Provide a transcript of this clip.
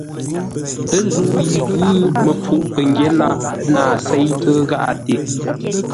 Ə̂ zə̂u yi ə́ ghʉ̌, məpfuʼ pəngyě lâʼ nâa séitə́ gháʼate.